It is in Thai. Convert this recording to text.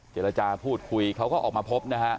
เจรจาพูดคุยเขาก็ออกมาพบนะฮะ